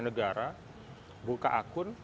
negara buka akun